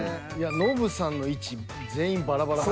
ノブさんの位置全員バラバラ。